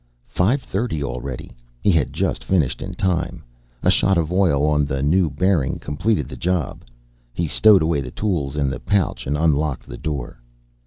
Five thirty already, he had just finished in time. A shot of oil on the new bearing completed the job; he stowed away the tools in the pouch and unlocked the door.